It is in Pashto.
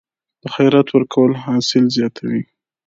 د خیرات ورکول حاصل زیاتوي؟